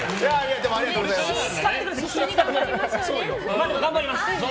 でも頑張ります！